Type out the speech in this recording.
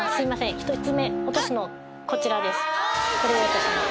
１つ目落とすのこちらです